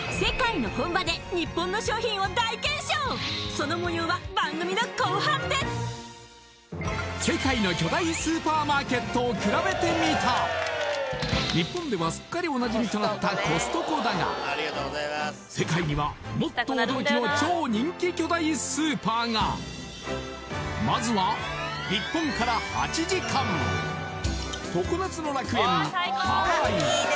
その模様は番組の後半で日本ではすっかりおなじみとなったＣＯＳＴＣＯだが世界にはもっと驚きの超人気巨大スーパーがまずは日本から８時間常夏の楽園ハワイ